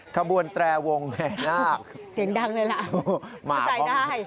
กระบวนแม่นาบทรายวงเลยเหมือนกันน่ะคุณใจได้